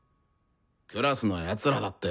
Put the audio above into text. クラスの奴らだって。